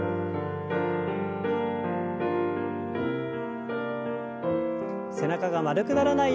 はい。